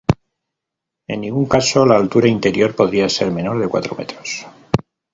En ningún caso la altura interior podría ser menor de cuatro metros.